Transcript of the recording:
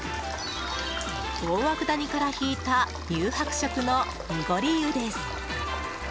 大涌谷から引いた乳白色の濁り湯です。